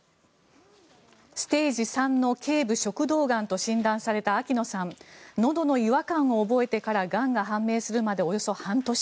ステージ３の頸部食道がんと診断された秋野さん。のどの違和感を覚えてからがんが判明するまでおよそ半年。